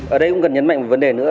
ở đây cũng cần nhấn mạnh một vấn đề nữa